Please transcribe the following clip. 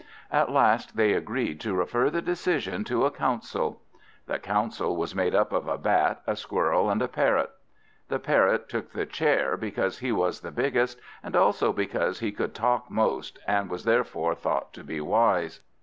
At last they agreed to refer the decision to a council. The council was made up of a Bat, a Squirrel, and a Parrot. The Parrot took the chair, because he was the biggest, and also because he could talk most, and was therefore thought to be wise.